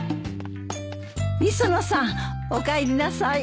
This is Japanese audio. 磯野さんおかえりなさい。